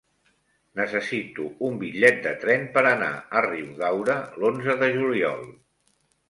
Necessito un bitllet de tren per anar a Riudaura l'onze de juliol.